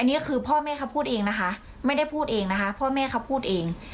อันนี้คือพ่อแม่เขาพูดเองนะคะไม่ได้พูดเองนะคะพ่อแม่เขาพูดเอง